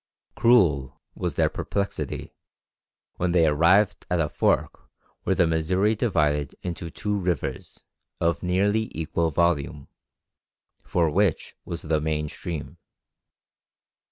Cruel was their perplexity when they arrived at a fork where the Missouri divided into two rivers of nearly equal volume, for which was the main stream?